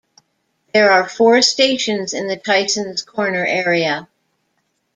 There are four stations in the Tysons Corner area.